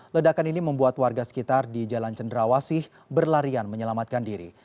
ledakan ini membuat warga sekitar di jalan cendrawasih berlarian menyelamatkan diri